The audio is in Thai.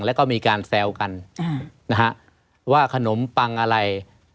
แล้วก็มีการแซวกันนะฮะว่าขนมปังอะไร